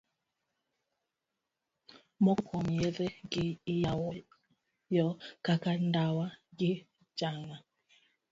Moko kuom yedhe gi iywayo kaka ndawa gi janga.